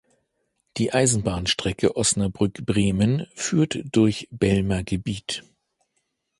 Die Eisenbahnstrecke Osnabrück–Bremen führt durch Belmer Gebiet.